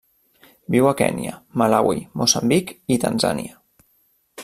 Viu a Kenya, Malawi, Moçambic i Tanzània.